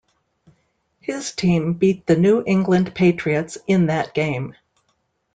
His team beat the New England Patriots in that game.